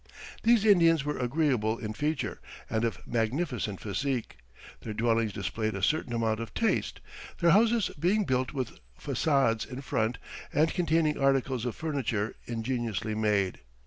These Indians were agreeable in feature, and of magnificent physique; their dwellings displayed a certain amount of taste, their houses being built with façades in front, and containing articles of furniture ingeniously made.